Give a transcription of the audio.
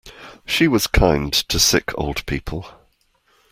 She was kind to sick old people.